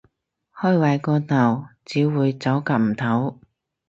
開壞個頭，只會走夾唔唞